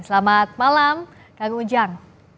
selamat malam kang ujang